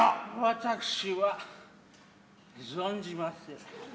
私は存じませぬ。